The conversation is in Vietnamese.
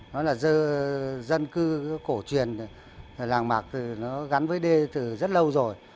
nó là dân cư cổ truyền làng mạc gắn với đê từ rất lâu rồi